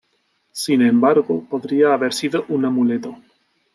Sin embargo, podría haber sido un amuleto.